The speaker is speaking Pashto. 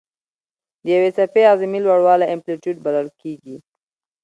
د یوې څپې اعظمي لوړوالی امپلیتیوډ بلل کېږي.